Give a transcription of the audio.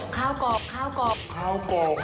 ข้าวกอกข้าวกอก